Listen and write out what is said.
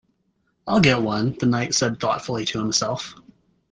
‘I’ll get one,’ the Knight said thoughtfully to himself.